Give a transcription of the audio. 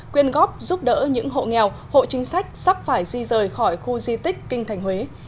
quyên góp giúp đỡ những hộ nghèo hộ chính sách sắp phải di rời khỏi khu di tích kinh thành huế